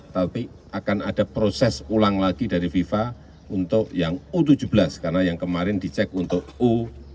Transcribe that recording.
tapi akan ada proses ulang lagi dari fifa untuk yang u tujuh belas karena yang kemarin dicek untuk u dua puluh